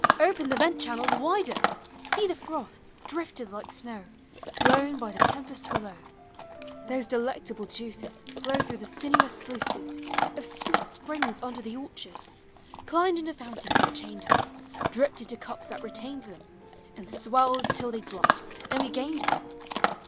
Open the vent channels wider! See the froth, drifted like snow, Blown by the tempest below ! Those delectable juices Flowed through the sinuous sluices Of sweet springs under the orchard; Climbed into fountains that chained them; Dripped into cups that retained them, And swelled till they dropped, and we gained them.